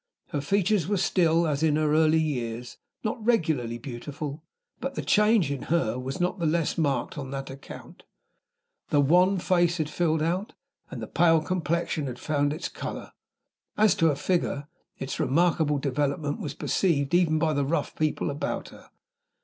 Her features were still, as in her early years, not regularly beautiful; but the change in her was not the less marked on that account. The wan face had filled out, and the pale complexion had found its color. As to her figure, its remarkable development was perceived even by the rough people about her.